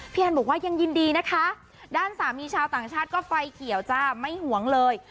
แอนบอกว่ายังยินดีนะคะด้านสามีชาวต่างชาติก็ไฟเขียวจ้าไม่หวงเลย